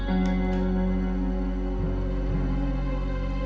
tentu quitehur ini an llam